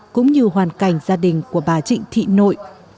cũng như hoàn cảnh gia đình của bà trịnh thị nội